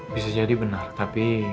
bisa jadi benar tapi